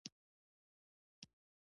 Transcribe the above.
د اقلیم بدلون په افغانستان اغیز کړی؟